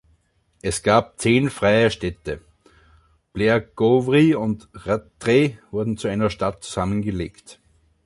Es gab zehn freie Städte: Blairgowrie und Rattray wurden zu einer Stadt zusammen gelegt.